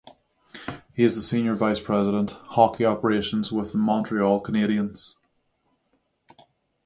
He is the Senior Vice President, Hockey Operations with the Montreal Canadiens.